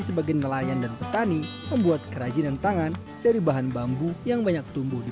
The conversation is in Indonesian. sebagai nelayan dan petani membuat kerajinan tangan dari bahan bambu yang banyak tumbuh di